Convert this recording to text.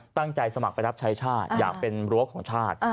สมัครไปรับใช้ชาติอยากเป็นรั้วของชาติ